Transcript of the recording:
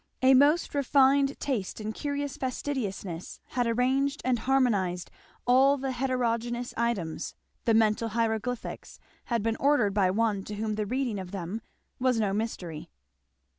A most refined taste and curious fastidiousness had arranged and harmonized all the heterogeneous items; the mental hieroglyphics had been ordered by one to whom the reading of them was no mystery.